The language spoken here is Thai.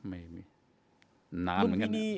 ไม่มี